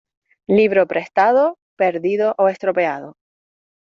Libro prestado, perdido o estropeado.